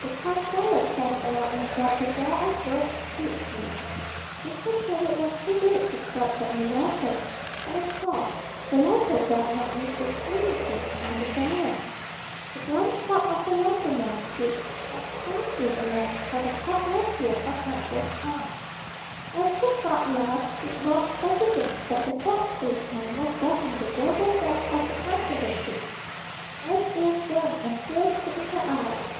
The tough fellows standing around enjoyed the war of words hugely. Mr. Sherwood was too big to strike Gedney Raffer, and of course the latter dared not use his puny fists on the giant. The blunt club of the lumberman's speech was scarcely a match for the sharp rapier of Raffer's tongue. As the crowd laughed it was evident that the fox faced man was getting the verbal best of the controversy. Nan's ears burned and tears stood in her eyes.